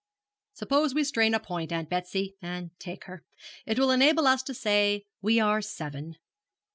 'Suppose we strain a point, Aunt Betsy, and take her. It will enable us to say, "we are seven."'